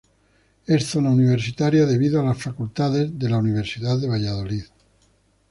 Es zona universitaria debido a las facultades de la Universidad de Valladolid.